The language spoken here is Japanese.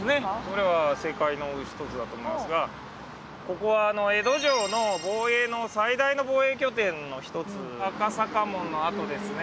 それは正解の一つだと思いますがここは江戸城の防衛の最大の防衛拠点の一つ赤坂門の跡ですね。